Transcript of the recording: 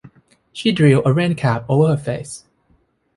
She drew a rain-cap over her face.